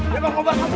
lepas kobar kabur